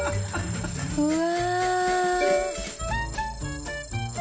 うわ。